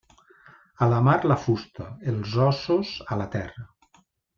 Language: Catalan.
A la mar, la fusta; els ossos, a la terra.